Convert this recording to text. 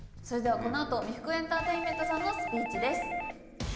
それではこのあと三福エンターテイメントさんのスピーチです。